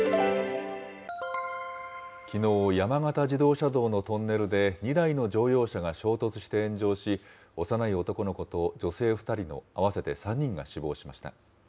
きのう、山形自動車道のトンネルで２台の乗用車が衝突して炎上し、幼い男の子と女性２人の合わせて３人が死亡しました。